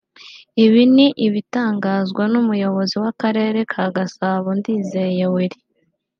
Ibi ni ibitangazwa n’Umuyobozi w’Akarere ka Gasabo Ndizeye Willy